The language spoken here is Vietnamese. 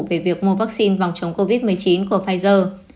về việc mua vaccine phòng chống covid một mươi chín của pfizer